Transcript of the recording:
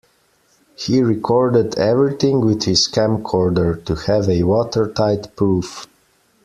He recorded everything with his camcorder to have a watertight proof.